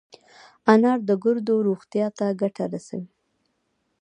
انار د ګردو روغتیا ته ګټه رسوي.